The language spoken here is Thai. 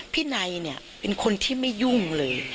นายเนี่ยเป็นคนที่ไม่ยุ่งเลย